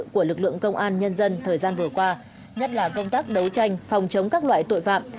của lực lượng công an nhân dân thời gian vừa qua nhất là công tác đấu tranh phòng chống các loại tội phạm